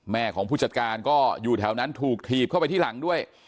ของผู้จัดการก็อยู่แถวนั้นถูกถีบเข้าไปที่หลังด้วย